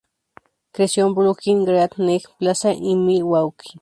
Creció en Brooklyn, Great Neck Plaza y Milwaukee.